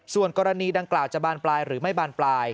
ส่วนกรณีดังกล่าวจะบานปลายหรือไม่บานปลาย